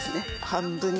半分に。